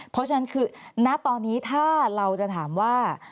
เพราะฉะนั้นคือณตอนนี้ถ้าเราจะถามว่า